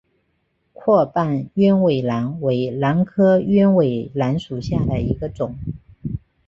阔瓣鸢尾兰为兰科鸢尾兰属下的一个种。